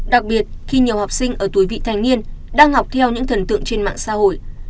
đặc biệt khi nhiều học sinh ở tuổi vị thành niên đang học theo những thần tượng trên mạng xã hội